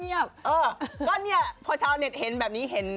เออก็เนี่ยพอชาวเน็ตเห็นแบบนี้เห็น